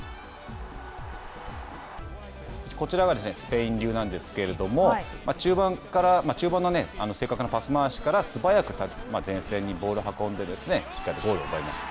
こちらがスペイン流なんですけれども、中盤から中盤の正確なパスまわしから素早く前線にボールを運んでしっかりゴールを奪います。